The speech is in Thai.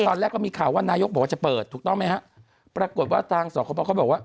ตอนแรกก็มีข่าวว่านายกบอกว่าจะเปิดถูกต้องไหมฮะปรากฏว่าทางสคบเขาบอกว่า